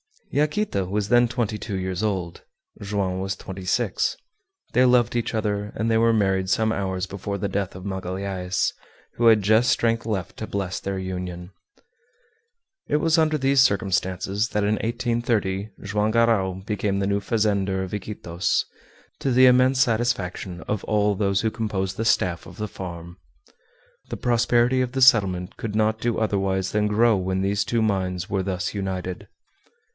Yaquita was then twenty two years old, Joam was twenty six. They loved each other and they were married some hours before the death of Magalhaës, who had just strength left to bless their union. It was under these circumstances that in 1830 Joam Garral became the new fazender of Iquitos, to the immense satisfaction of all those who composed the staff of the farm. The prosperity of the settlement could not do otherwise than grow when these two minds were thus united.